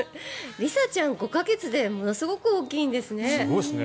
リサちゃん、５か月でものすごい大きいですね。